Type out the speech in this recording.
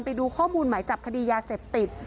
ไปดูข้อมูลหมายจับคดียาเสพติด